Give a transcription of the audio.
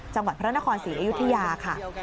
จังหวัดพระนครศรีอยุธยาค่ะ